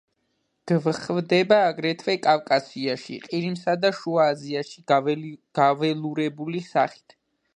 გვხვდება აგრეთვე კავკასიაში, ყირიმსა და შუა აზიაში გაველურებული სახით.